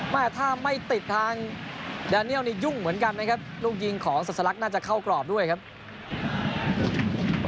แม่ถ้าไม่ติดทางแดเนียลนี่ยุ่งเหมือนกันนะครับลูกยิงของสัสลักน่าจะเข้ากรอบด้วยครับ